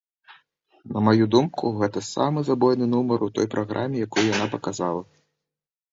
На маю думку, гэта самы забойны нумар у той праграме, якую яна паказала.